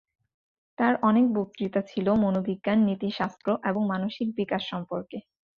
তার অনেক বক্তৃতা ছিল মনোবিজ্ঞান, নীতিশাস্ত্র এবং মানসিক বিকাশ সম্পর্কে।